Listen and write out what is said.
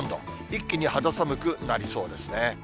一気に肌寒くなりそうですね。